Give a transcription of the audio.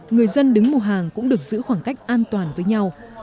người dân đứng mua hàng cũng được giữ khoảng cách an toàn với nhau